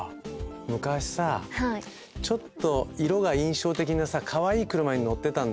昔さちょっと色が印象的なさかわいい車に乗ってたんだよ。